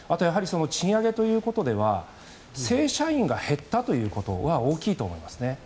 賃上げということでは正社員が減ったということは大きいと思います。